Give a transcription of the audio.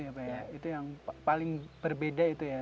ya pak ya itu yang paling berbeda itu ya